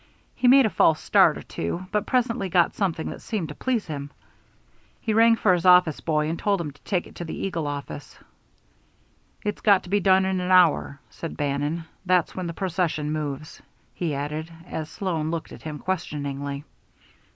He made a false start or two, but presently got something that seemed to please him. He rang for his office boy, and told him to take it to the Eagle office. "It's got to be done in an hour," said Bannon. "That's when the procession moves," he added; as Sloan looked at him questioningly.